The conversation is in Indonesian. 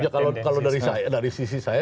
kalau dari sisi saya